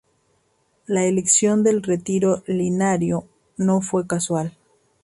La elección del retiro liriano no fue casual.